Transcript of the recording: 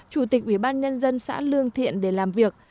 chủ tịch ủy ban nhân dân xã lương thiện để làm việc